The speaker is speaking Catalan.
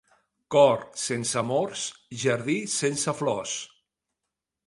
Cor sense amors, jardí sense flors.